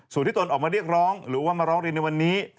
ส่วนที่ตนออกมาเรียกร้องหรือว่ามาร้องเรียนในวันนี้